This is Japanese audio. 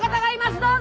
どうぞ！